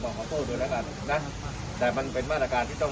ขอโทษด้วยแล้วกันนะแต่มันเป็นมาตรการที่ต้อง